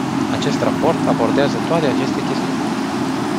Acest raport abordează toate aceste chestiuni.